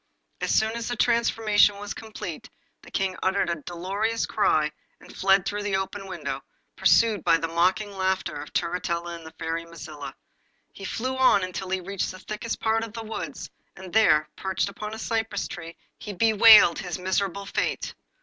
As soon as the transformation was complete the King uttered a dolorous cry and fled through the open window, pursued by the mocking laughter of Turritella and the Fairy Mazilla. He flew on until he reached the thickest part of the wood, and there, perched upon a cypress tree, he bewailed his miserable fate.